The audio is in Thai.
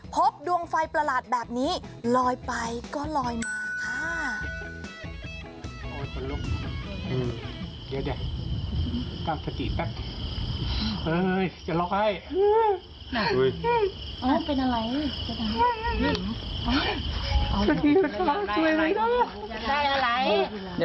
พบดวงไฟประหลาดแบบนี้ลอยไปก็ลอยมาค่ะ